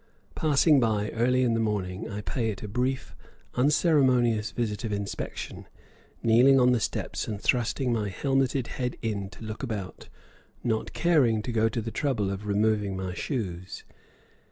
Passing by early in the morning, I pay it a brief, unceremonious visit of inspection, kneeling on the steps and thrusting my helmeted head in to look about, not caring to go to the trouble of removing my shoes.